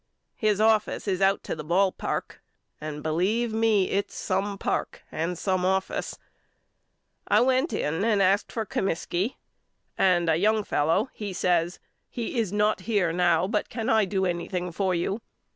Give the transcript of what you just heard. His office is out to the ball park and believe me its some park and some office. I went in and asked for Comiskey and a young fellow says He is not here now but can I do any thing for you?